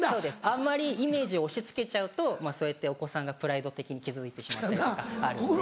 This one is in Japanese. あんまりイメージを押し付けちゃうとそうやってお子さんがプライド的に傷ついてしまったりとかあるんで。